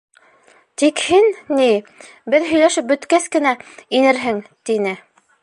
Тик һин, ни, беҙ һөйләшеп бөткәс кенә, инерһең, -тине.